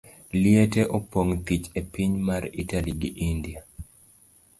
Liete opong' thich e piny mar Italy gi India.